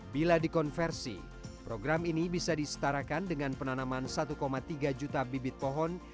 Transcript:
bila dikonversi program ini bisa disetarakan dengan penanaman satu tiga juta bibit pohon